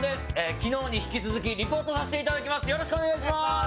昨日に引き続きリポートさせていただきます。